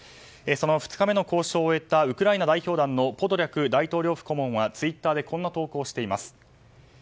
その２日目の交渉を終えたウクライナ代表団のポドリャク大統領府顧問はツイッターでこんな投稿をしています。